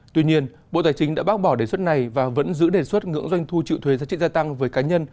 tuy nhiên bộ tài chính đã bác bỏ đề xuất này và vẫn giữ đề xuất ngưỡng doanh thu triệu thuế giá trị gia tăng với cá nhân